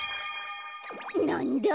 なんだ？